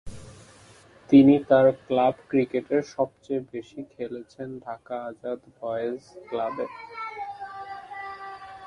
তিনি তার ক্লাব ক্রিকেটের সবচেয়ে বেশি খেলেছেন ঢাকা আজাদ বয়েজ ক্লাবে।